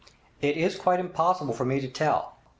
'It is quite impossible for me to tell.